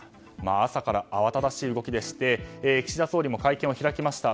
朝から慌ただしい動きでして岸田総理も会見を開きました。